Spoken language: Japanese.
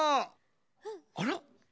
あら？